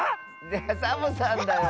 ⁉いやサボさんだよ。